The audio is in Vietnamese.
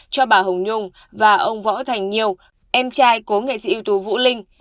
cho bà hồng nhung và ông võ thành nhiêu em trai của nghệ sĩ ưu tố vũ linh